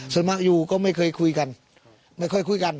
ส่วนมากอยู่ก็ไม่เคยคุยกันไม่ค่อยคุยกัน